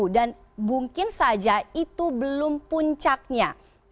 dan mungkin saja itu belum puncaknya